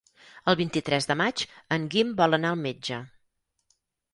El vint-i-tres de maig en Guim vol anar al metge.